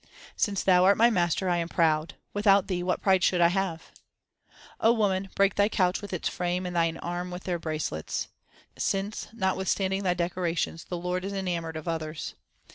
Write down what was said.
Since Thou art my Master I am proud ; without Thee what pride should I have ? woman, break thy couch with its frame and thine arm with their bracelets, 2 Since, notwithstanding thy decorations, the Lord is enamoured of others.